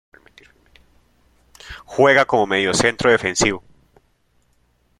Juega como Mediocentro defensivo.